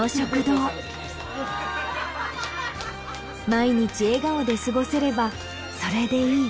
毎日笑顔で過ごせればそれでいい。